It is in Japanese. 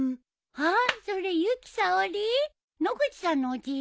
あっ！